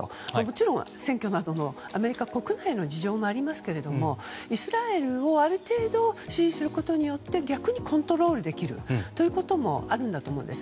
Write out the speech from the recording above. もちろん選挙などのアメリカ国内の事情もありますがイスラエルをある程度支持することによって逆にコントロールできることもあるんだと思うんですね。